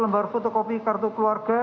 lembar fotokopi kartu keluarga